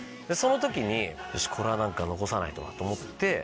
その時に「よしこれは何か残さないとな」と思って。